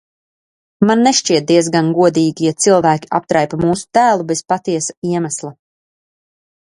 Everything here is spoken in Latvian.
Man nešķiet diezgan godīgi, ja cilvēki aptraipa mūsu tēlu bez patiesa iemesla.